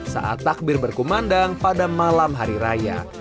saat takbir berkumandang pada malam hari raya